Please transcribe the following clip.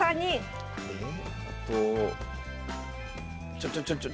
ちょちょちょちょ。